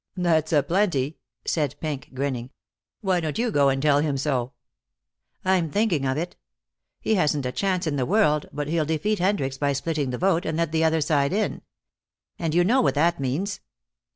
"That's a plenty," said Pink, grinning. "Why don't you go and tell him so?" "I'm thinking of it. He hasn't a chance in the world, but he'll defeat Hendricks by splitting the vote, and let the other side in. And you know what that means."